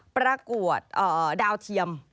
ประกวดดาวเทียม